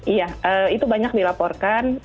iya itu banyak dilaporkan